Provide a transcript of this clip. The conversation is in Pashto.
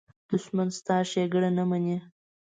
دښمن ستا ښېګڼه نه مني